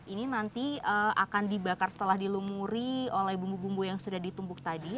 ini nanti akan dibakar setelah dilumuri oleh bumbu bumbu yang sudah ditumbuk tadi